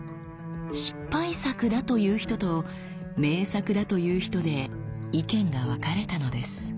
失敗作だという人と名作だという人で意見が分かれたのです。